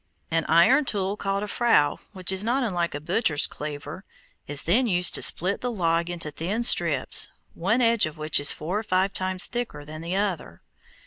An iron tool called a frow, which is not unlike a butcher's cleaver, is then used to split the log into thin strips, one edge of which is four or five times thicker than the other.